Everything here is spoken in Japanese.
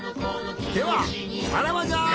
ではさらばじゃ。